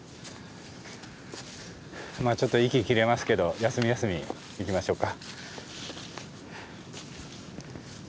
まあちょっと息切れますけど休み休み行きましょうか。